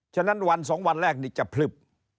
ฉะนั้นวัน๒วันแรกนี่จะพลึบ